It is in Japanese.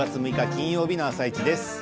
金曜日の「あさイチ」です。